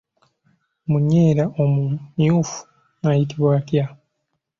Munyeera omumyufu ayitibwa atya?